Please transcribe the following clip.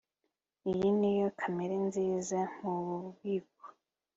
iyi niyo kamera nziza mububiko